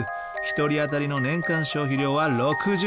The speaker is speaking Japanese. １人当たりの年間消費量は６０ｋｇ。